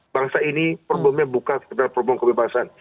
bangsa ini problemnya bukan sekedar problem kebebasan